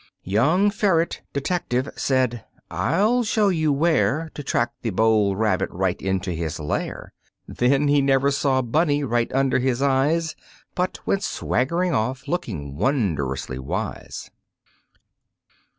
Young ferret, detective, said: "I'll show you where To track the bold rabbit right into his lair." Then he never saw bunny right under his eyes, But went swaggering off looking wondrously wise.